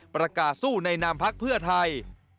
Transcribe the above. ประกาศสู้ในนามพักเพื่อไทย